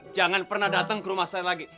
jangan pernah datang ke rumah saya lagi